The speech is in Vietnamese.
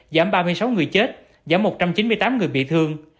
giảm ba mươi sáu người chết giảm một trăm chín mươi tám người bị thương